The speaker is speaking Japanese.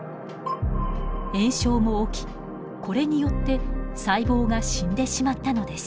炎症も起きこれによって細胞が死んでしまったのです。